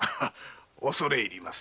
恐れ入ります。